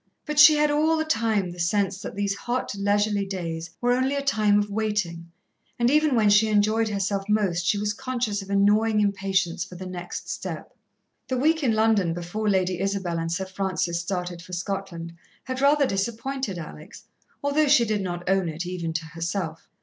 But she had all the time the sense that these hot, leisurely days were only a time of waiting, and even when she enjoyed herself most she was conscious of a gnawing impatience for the next step. The week in London before Lady Isabel and Sir Francis started for Scotland had rather disappointed Alex, although she did not own it, even to herself.